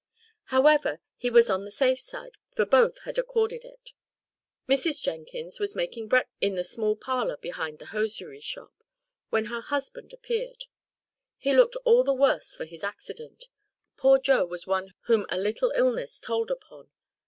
However, he was on the safe side, for both had accorded it. Mrs. Jenkins was making breakfast in the small parlour behind her hosiery shop, when her husband appeared. He looked all the worse for his accident. Poor Joe was one whom a little illness told upon.